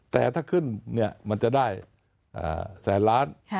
แต่ถ้าขึ้นมันจะได้แสนล้าน